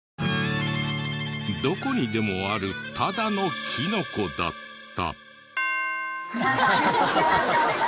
どこにでもあるただのキノコだった。